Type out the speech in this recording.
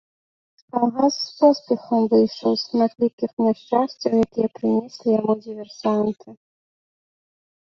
Калгас з поспехам выйшаў з шматлікіх няшчасцяў, якія прынеслі яму дыверсанты.